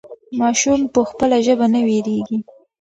ماشوم په خپله ژبه نه وېرېږي.